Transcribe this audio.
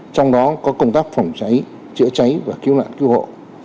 trong đó có công tác phòng cháy chữa cháy và cứu nạn cứu hộ